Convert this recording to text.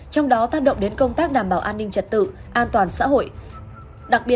trong đó tác động đến công tác đảm bảo an ninh trật tự an toàn xã hội